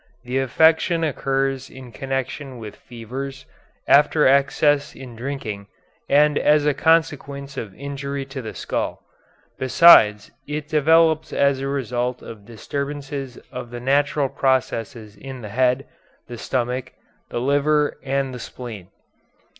The affection occurs in connection with fevers, after excess in drinking, and as a consequence of injury to the skull. Besides, it develops as a result of disturbances of the natural processes in the head, the stomach, the liver, and the spleen.